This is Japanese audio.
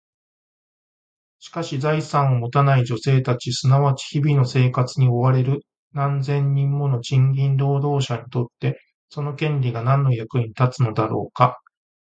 しかし、財産を持たない女性たち、すなわち日々の生活に追われる何千人もの賃金労働者にとって、その権利が何の役に立つのだろうか？